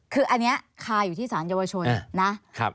คืออันนี้คาอยู่ที่สารเยาวชนนะ